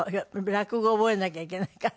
落語を覚えなきゃいけないから。